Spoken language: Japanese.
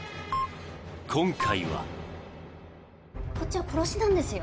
今回はこっちは殺しなんですよ